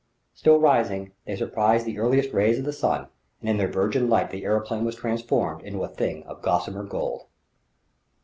Still rising, they surprised the earliest rays of the sun; and in their virgin light the aeroplane was transformed into a thing of gossamer gold.